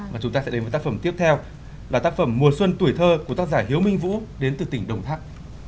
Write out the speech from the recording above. mà chúng ta sẽ đến với tác phẩm tiếp theo là tác phẩm mùa xuân tuổi thơ của tác giả hiếu minh vũ đến từ tỉnh đồng tháp